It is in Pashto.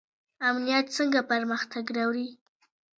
امنیت څنګه پرمختګ راوړي؟